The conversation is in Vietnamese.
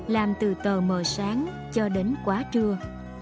làm từ tờ mờ sáng cho đến quá trưa